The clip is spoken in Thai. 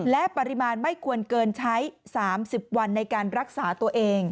และปริมาณไม่ควรเกินใช้๓๐วันในการรักษาตัวเอง